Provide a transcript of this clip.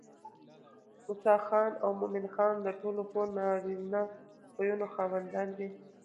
موسى خان او مومن خان د ټولو ښو نارينه خويونو خاوندان دي